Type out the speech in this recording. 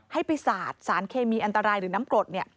ให้ไปสาดสารเคมีอันตรายหรือน้ำกรด